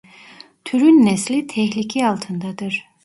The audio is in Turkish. Türün nesli tehlike altındadır.